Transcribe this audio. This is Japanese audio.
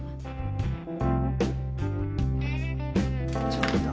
ちょっと。